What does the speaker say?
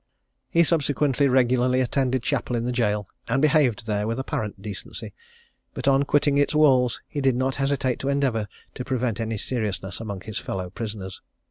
He subsequently regularly attended chapel in the gaol, and behaved there with apparent decency, but on his quitting its walls, he did not hesitate to endeavour to prevent any seriousness among his fellow prisoners.